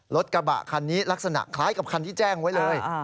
รถกระบะคันนี้ลักษณะคล้ายกับคันที่แจ้งไว้เลย